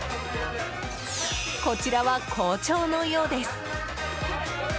こちらは好調のようです。